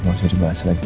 gak usah dibahas lagi